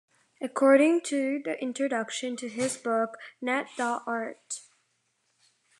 According to the introduction to his book net.art.